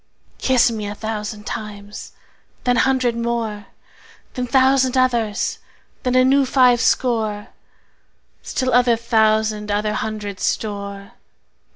Kiss me a thousand times, then hundred more, Then thousand others, then a new five score, Still other thousand other hundred store.